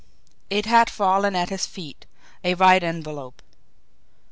It had fallen at his feet a white envelope.